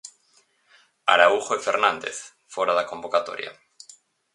Araújo e Fernández, fóra da convocatoria.